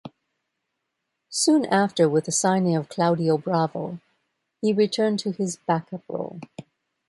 Soon after, with the signing of Claudio Bravo, he returned to his backup role.